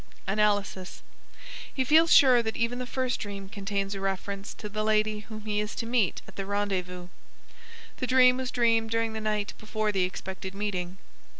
"_ Analysis: He feels sure that even the first dream contains a reference to the lady whom he is to meet at the rendezvous (the dream was dreamed during the night before the expected meeting).